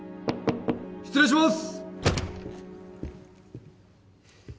失礼します！